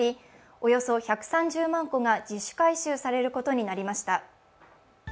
およそ１３０万個が自主回収されることになりました。